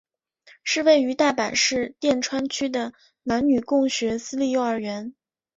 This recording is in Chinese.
是位于大阪市淀川区的男女共学私立幼儿园。